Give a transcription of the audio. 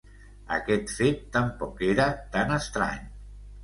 Aquest fet tampoc era tan estrany.